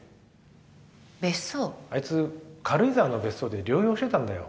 あいつ軽井沢の別荘で療養してたんだよ。